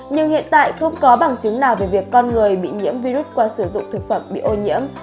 nhưng hiện tại không có bằng chứng nào về việc con người bị nhiễm virus qua sử dụng thực phẩm bị ô nhiễm